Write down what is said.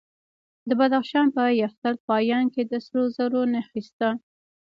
د بدخشان په یفتل پایان کې د سرو زرو نښې شته.